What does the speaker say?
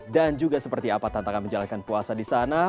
dan juga seperti apa tantangan menjalankan puasa di sana